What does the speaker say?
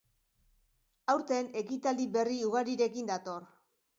Aurten, ekitaldi berri ugarirekin dator.